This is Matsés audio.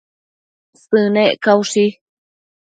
Sënec caushi